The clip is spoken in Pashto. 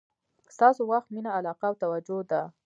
ستاسو وخت، مینه، علاقه او توجه ده.